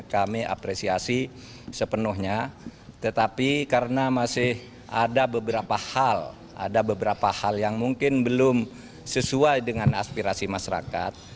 kami apresiasi sepenuhnya tetapi karena masih ada beberapa hal ada beberapa hal yang mungkin belum sesuai dengan aspirasi masyarakat